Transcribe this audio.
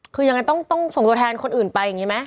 คือยังไงต้องส่งตัวแทนคนอื่นไปอย่างนี้ไหม